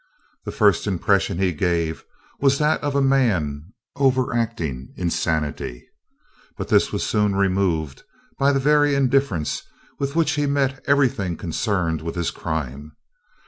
The first impression he gave was that of a man over acting insanity. But this was soon removed by the very indifference with which he met everything concerned with his crime.